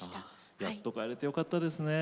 やっと帰れてよかったですね。